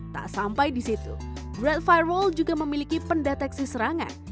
tak sampai di situ grad viral juga memiliki pendeteksi serangan